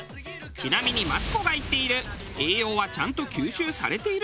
ちなみにマツコが言っている「栄養はちゃんと吸収されているのか？」